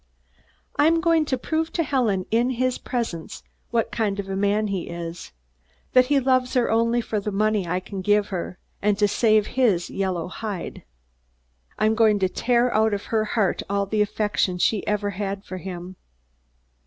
"I'm going to prove to Helen, in his presence, what kind of man he is; that he loves her only for the money I gave her, and to save his yellow hide. I'm going to tear out of her heart all the affection she ever had for him.